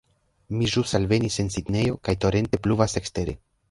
Mi ĵus alvenis en Sidnejo kaj torente pluvas ekstere